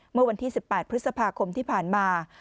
เมื่อวันที่๑๘พฤษภาคมที่ผ่านมา